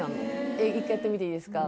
えっ一回やってみていいですか？